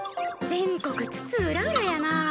全国つつうらうらやな。